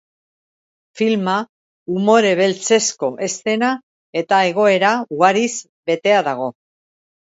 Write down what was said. Filma umore beltzezko eszena eta egoera ugariz betea dago.